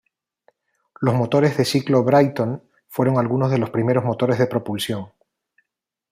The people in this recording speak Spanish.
Los motores de ciclo Brayton fueron algunos de los primeros motores de propulsión.